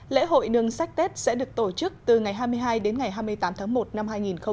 lễ hội nương sách tết sẽ được tổ chức từ ngày hai mươi hai đến ngày hai mươi tám tháng một năm hai nghìn hai mươi